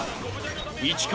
市川